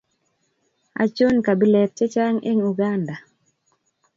Achon kabilet che chang en uganda